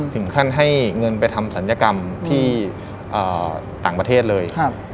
ถึงขั้นให้เงินไปทำศัลยกรรมที่ต่างประเทศเลย